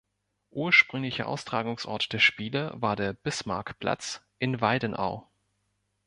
Ursprünglicher Austragungsort der Spiele war der Bismarckplatz in Weidenau.